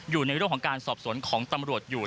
อยู่ในโลกของการสอบสนของตำรวจอยู่